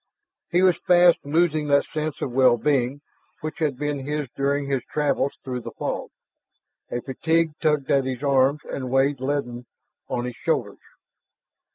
He was fast losing that sense of well being which had been his during his travels through the fog; a fatigue tugged at his arms and weighed leaden on his shoulders.